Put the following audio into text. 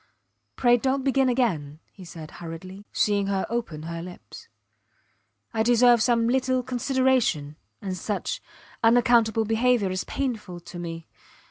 Pray, dont begin again, he said, hurriedly, seeing her open her lips. I deserve some little consideration and such unaccountable behaviour is painful to me.